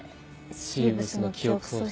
シーブスの『記憶喪失』。